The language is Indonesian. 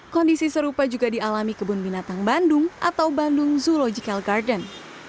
kondisi serupa juga dialami kebun binatang bandung atau bandung zoological garden